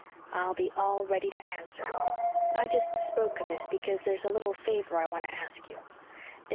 I'll be all ready to answer. I jest spoke of this because there's a little favor I want to ask you.